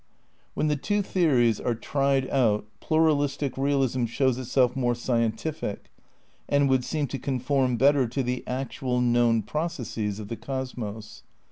When the two theories are tried out pluralistic realism shows itself more scientific, and would seem to conform better to the actual, known processes of the cosmos.